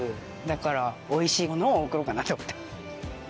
だからおいしいものを贈ろうかなと思って。